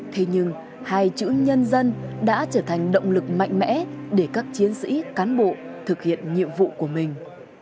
thế nhưng hai chữ nhân dân đã trở thành động lực mạnh mẽ để các chiến sĩ cán bộ thực hiện nhiệm vụ của mình